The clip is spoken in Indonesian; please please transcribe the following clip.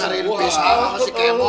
terus baik sama kamu